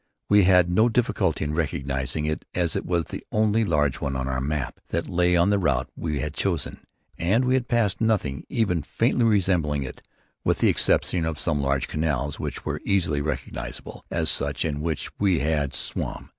We had no difficulty in recognising it, as it was the only large one on our map that lay on the route we had chosen, and we had passed nothing even faintly resembling it, with the exception of some large canals, which were easily recognizable as such and which we had swum.